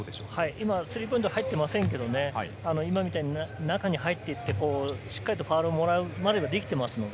今スリーポイントは入っていませんけど、今みたいに中に入っていてしっかりファウルをもらうまで、できています。